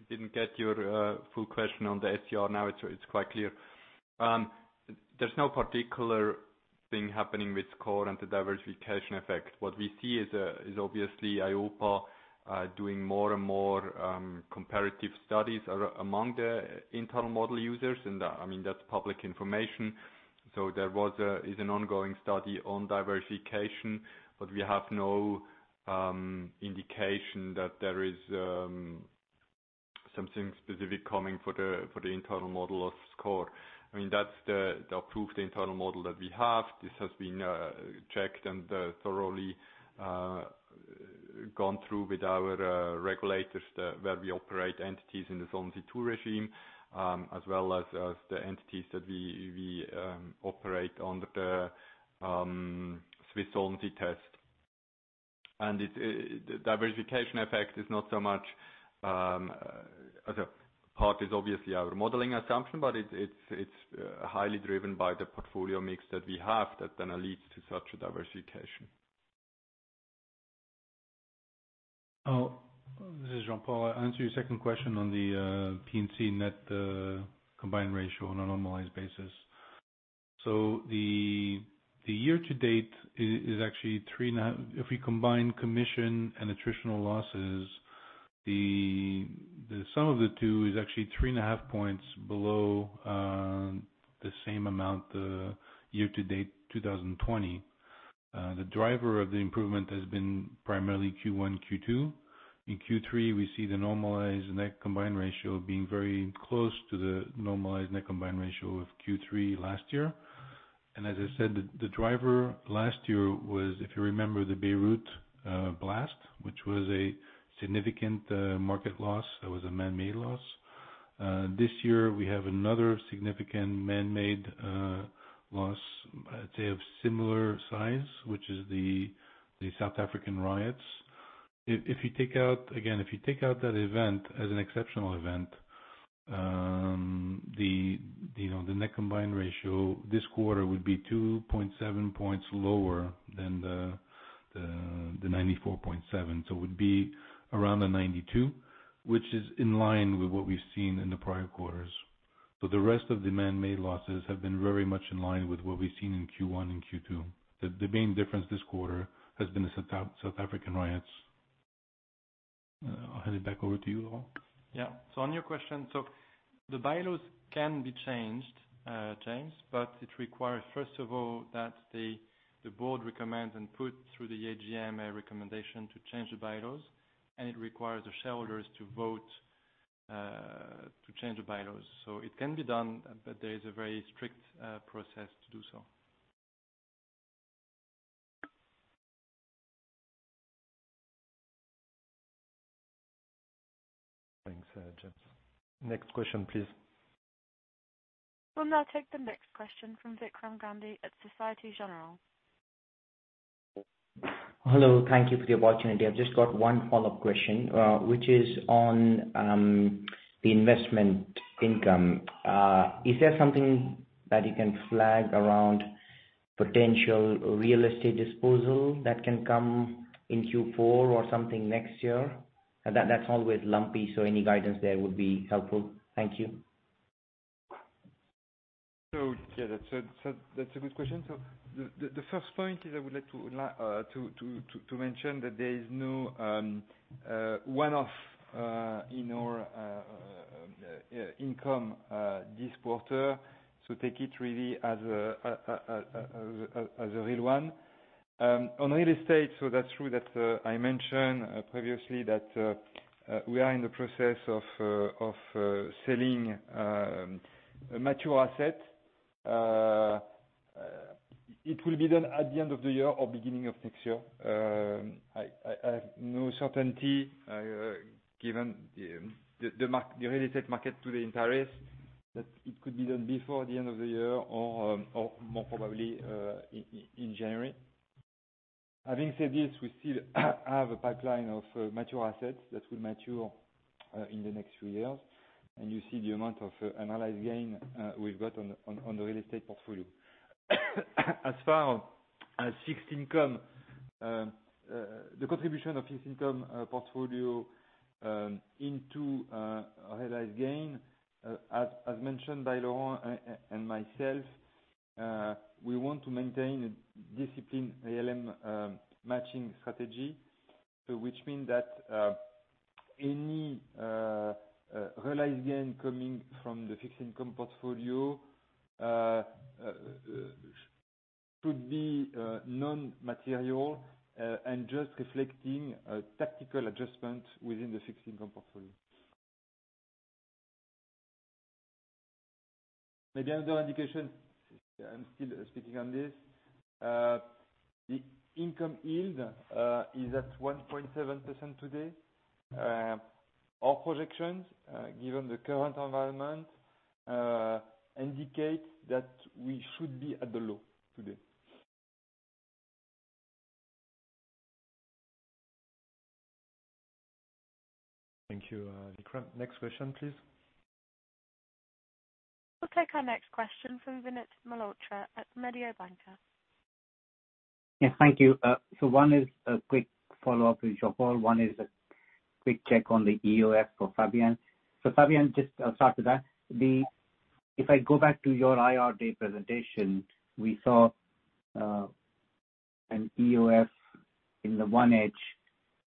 I: didn't get your full question on the SCR. Now it's quite clear. There's no particular thing happening with SCOR and the diversification effect. What we see is obviously EIOPA doing more and more comparative studies among the internal model users, and I mean, that's public information. There is an ongoing study on diversification, but we have no indication that there is something specific coming for the internal model of SCOR. I mean, that's the approved internal model that we have. This has been checked and thoroughly gone through with our regulators, those where we operate entities in the Solvency II regime, as well as the entities that we operate under the Swiss Solvency Test. The diversification effect is not so much as a part. It is obviously our modeling assumption, but it's highly driven by the portfolio mix that we have that then leads to such a diversification.
F: Oh, this is Jean-Paul. I'll answer your second question on the P&C net combined ratio on a normalized basis. The year to date is actually 3.5. If we combine commission and attritional losses, the sum of the two is actually 3.5 points below the same amount year to date 2020. The driver of the improvement has been primarily Q1, Q2. In Q3, we see the normalized net combined ratio being very close to the normalized net combined ratio of Q3 last year. As I said, the driver last year was, if you remember, the Beirut blast, which was a significant market loss. That was a man-made loss. This year we have another significant man-made loss, I'd say of similar size, which is the South African riots. If you take out that event as an exceptional event, you know, the net combined ratio this quarter would be 2.7 points lower than the 94.7. It would be around the 92, which is in line with what we've seen in the prior quarters. The rest of the man-made losses have been very much in line with what we've seen in Q1 and Q2. The main difference this quarter has been the South African riots. I'll hand it back over to you, Laurent.
C: Yeah. On your question, so the bylaws can be changed, James, but it requires first of all that the board recommends and put through the AGM a recommendation to change the bylaws, and it requires the shareholders to vote to change the bylaws. It can be done, but there is a very strict process to do so. Thanks, James. Next question, please.
A: We'll now take the next question from Vikram Gandhi at Société Générale.
E: Hello. Thank you for the opportunity. I've just got one follow-up question, which is on the investment income. Is there something that you can flag around potential real estate disposal that can come in Q4 or something next year? That's always lumpy, so any guidance there would be helpful. Thank you.
N: Yeah, that's a good question. The first point is I would like to mention that there is no one-off in our income this quarter. Take it really as a real one. On real estate, that's true that I mentioned previously that we are in the process of selling a mature asset. It will be done at the end of the year or beginning of next year. I have no certainty, given the real estate market today in Paris, but it could be done before the end of the year or more probably in January. Having said this, we still have a pipeline of mature assets that will mature in the next few years, and you see the amount of unrealized gain we've got on the real estate portfolio. As far as fixed income, the contribution of fixed income portfolio into realized gain, as mentioned by Laurent and myself, we want to maintain a disciplined ALM matching strategy. Which means that any realized gain coming from the fixed income portfolio should be non-material and just reflecting a tactical adjustment within the fixed income portfolio. Maybe another indication, I'm still speaking on this. The income yield is at 1.7% today. Our projections, given the current environment, indicate that we should be at the low today.
C: Thank you, Vikram. Next question, please.
A: We'll take our next question from Vinit Malhotra at Mediobanca.
K: Yes, thank you. One is a quick follow-up with Jean-Paul. One is a quick check on the EOF for Fabian. Frieder, just I'll start with that. If I go back to your IR Day presentation, we saw an EOF in the low end,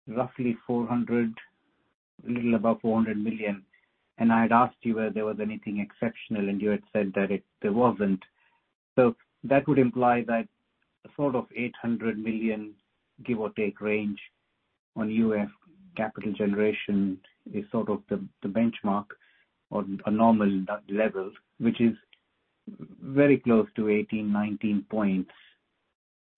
K: roughly 400 million, a little above 400 million, and I'd asked you whether there was anything exceptional, and you had said that there wasn't. That would imply that a sort of 800 million, give or take, range on own funds capital generation is sort of the benchmark or a normal level, which is very close to 18%-19%.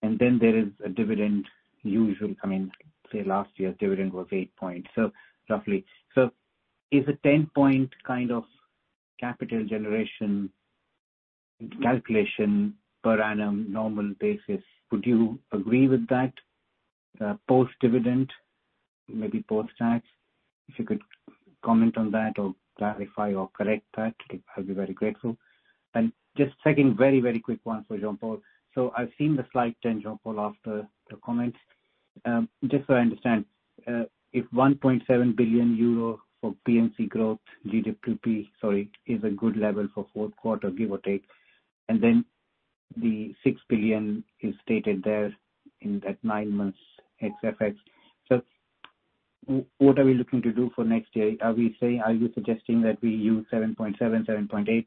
K: Then there is a dividend usually coming. Say, last year's dividend was eight points, so roughly. Is a 10-point kind of capital generation calculation per annum on a normal basis, would you agree with that, post-dividend, maybe post-tax? If you could comment on that or clarify or correct that, I'd be very grateful. Just second, very, very quick one for Jean-Paul. So I've seen the slight change, Jean-Paul, after the comments. Just so I understand, if 1.7 billion euro for P&C growth, GWP, is a good level for fourth quarter, give or take, and then the 6 billion is stated there in that nine months ex-FX. So what are we looking to do for next year? Are you suggesting that we use 7.7 billion-7.8 billion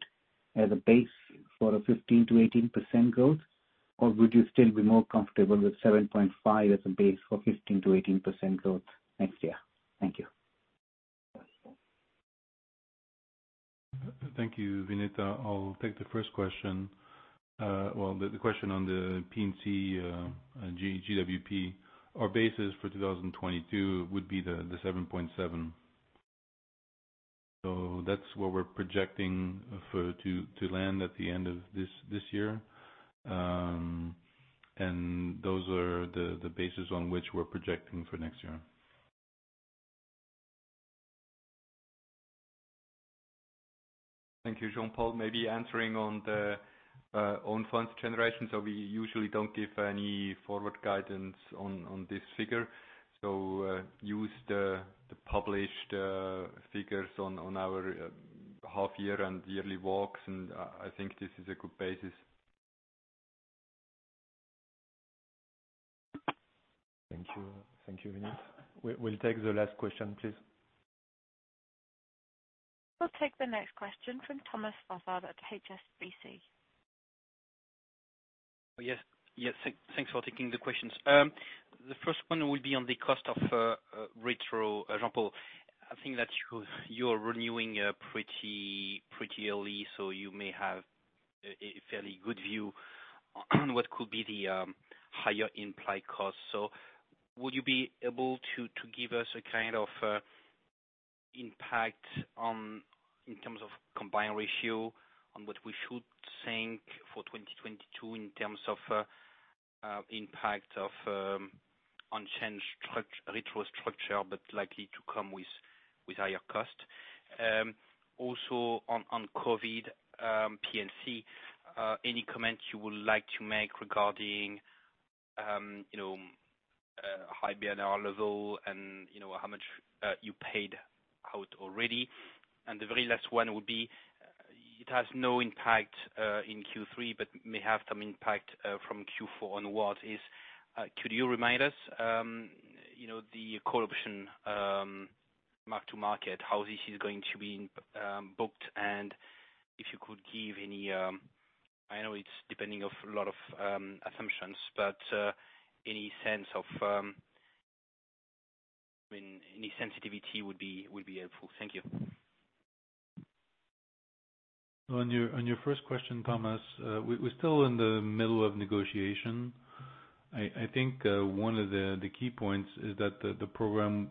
K: as a base for a 15%-18% growth, or would you still be more comfortable with 7.5 billion as a base for 15%-18% growth next year? Thank you.
F: Thank you, Vinit. I'll take the first question. Well, the question on the P&C GWP. Our basis for 2022 would be the 7.7 billion. So that's what we're projecting for to land at the end of this year. Those are the basis on which we're projecting for next year.
I: Thank you, Jean-Paul. Maybe answering on the own funds generation, we usually don't give any forward guidance on this figure. Use the published figures on our half year and yearly walks, and I think this is a good basis.
C: Thank you. Thank you, Vinit. We'll take the last question, please.
A: We'll take the next question from Thomas Fossard at HSBC.
M: Yes. Thanks for taking the questions. The first one will be on the cost of retro, Jean-Paul. I think that you're renewing pretty early, so you may have a fairly good view on what could be the higher implied costs. Would you be able to give us a kind of impact on, in terms of combined ratio on what we should think for 2022 in terms of impact of unchanged struct-retro structure, but likely to come with higher cost? Also on COVID, P&C, any comments you would like to make regarding, you know, high IBNR level and, you know, how much you paid out already? The very last one would be, it has no impact in Q3 but may have some impact from Q4 onwards, could you remind us, you know, the call option mark-to-market, how this is going to be booked, and if you could give any, I know it's depending on a lot of assumptions, but any sense of, I mean, any sensitivity would be helpful. Thank you.
F: On your first question, Thomas, we're still in the middle of negotiation. I think one of the key points is that the program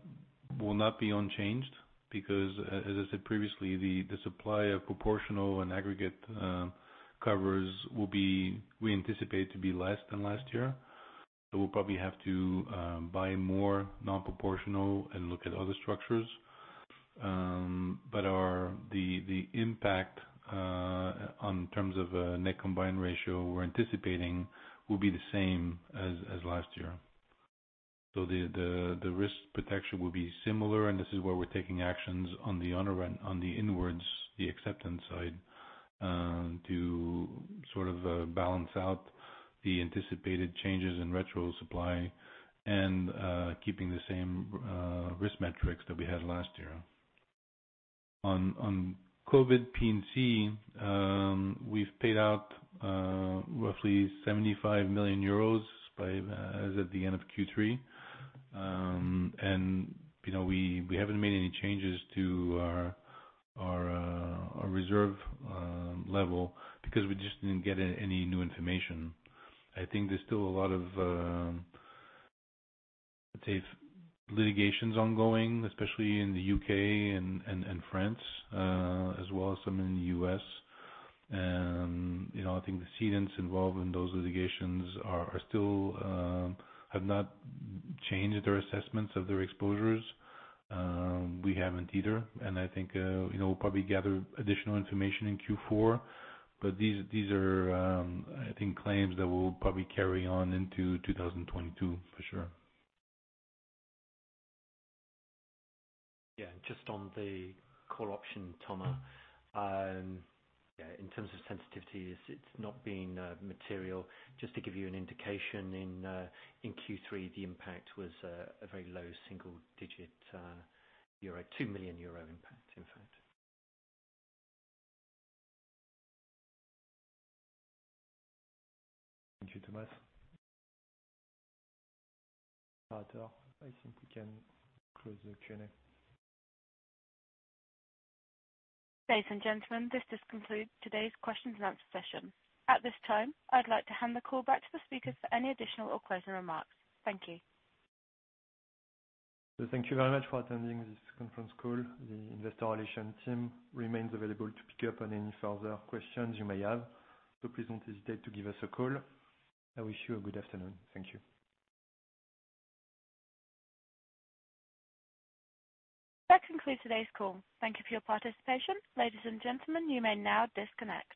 F: will not be unchanged because as I said previously, the supply of proportional and aggregate covers we anticipate to be less than last year. We'll probably have to buy more non-proportional and look at other structures. But the impact in terms of net combined ratio we're anticipating will be the same as last year. The risk protection will be similar, and this is where we're taking actions on the inwards acceptance side to sort of balance out the anticipated changes in retro supply and keeping the same risk metrics that we had last year. On COVID P&C, we've paid out roughly 75 million euros by as at the end of Q3. You know, we haven't made any changes to our reserve level because we just didn't get any new information. I think there's still a lot of, I'd say, litigations ongoing, especially in the U.K. and France, as well as some in the U.S. You know, I think the cedants involved in those litigations are still have not changed their assessments of their exposures. We haven't either. I think, you know, we'll probably gather additional information in Q4. These are, I think, claims that will probably carry on into 2022 for sure.
D: Yeah. Just on the call option, Thomas. Yeah, in terms of sensitivities, it's not been material. Just to give you an indication in Q3 the impact was a very low single-digit euro. 2 million euro impact in fact.
C: Thank you, Thomas. Arthur, I think we can close the Q&A.
A: Ladies and gentlemen, this does conclude today's questions and answer session. At this time, I'd like to hand the call back to the speakers for any additional or closing remarks. Thank you.
B: Thank you very much for attending this conference call. The investor relations team remains available to pick up on any further questions you may have. Please don't hesitate to give us a call. I wish you a good afternoon. Thank you.
A: That concludes today's call. Thank you for your participation. Ladies and gentlemen, you may now disconnect.